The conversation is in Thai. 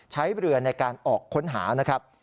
ใช้เรือในการออกค้นหานะครับ